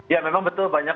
ya memang betul banyak